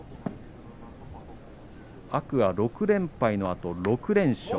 天空海、６連敗のあと６連勝。